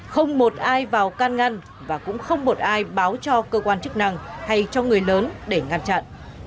không một ai vào can ngăn và cũng không một ai báo cho cơ quan chức năng hay cho người lớn để ngăn chặn